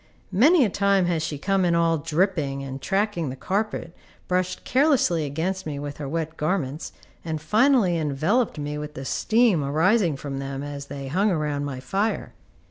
Many a time has she come in all dripping, and tracking the carpet, brushed carelessly against me with her wet garments, and finally enveloped me with the steam arising from them as they hung around my fire.